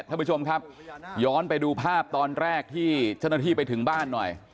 ท่านผู้ชมครับย้อนไปดูภาพตอนแรกที่เจ้าหน้าที่ไปถึงบ้านหน่อย